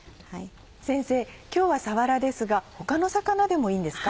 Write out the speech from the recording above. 先生今日はさわらですが他の魚でもいいんですか？